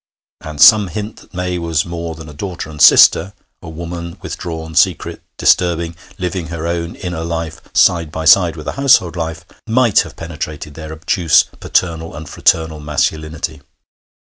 And some hint that May was more than a daughter and sister a woman, withdrawn, secret, disturbing, living her own inner life side by side with the household life might have penetrated their obtuse paternal and fraternal masculinity.